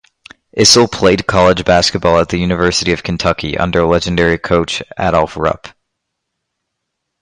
Issel played college basketball at the University of Kentucky under legendary coach Adolph Rupp.